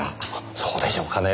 そうでしょうかねぇ。